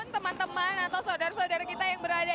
teman teman atau saudara saudara kita yang berada